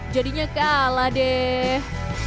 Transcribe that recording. jadinya kalah deh